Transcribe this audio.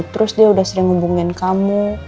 terus dia udah sering hubungin kamu